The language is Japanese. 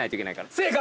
正解！